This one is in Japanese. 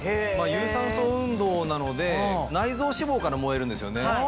有酸素運動なので内臓脂肪から燃えるんですよね。